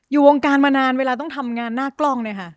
วงการมานานเวลาต้องทำงานหน้ากล้องเนี่ยค่ะ